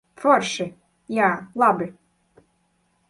Forši. Jā, labi.